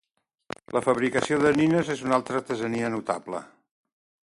La fabricació de nines és una altra artesania notable.